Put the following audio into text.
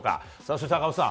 そして赤星さん